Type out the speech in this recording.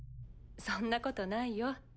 そんなことないよ。